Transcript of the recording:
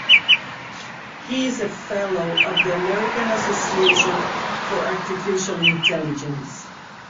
He is a fellow of the American Association for Artificial Intelligence.